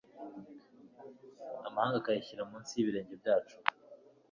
amahanga akayashyira mu nsi y'ibirenge byacu